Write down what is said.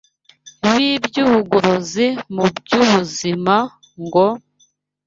b’iby’ubugorozi mu by’ubuzima ngo,